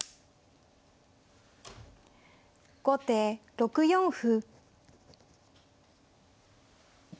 後手６四歩。